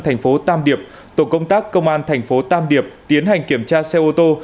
thành phố tam điệp tổ công tác công an thành phố tam điệp tiến hành kiểm tra xe ô tô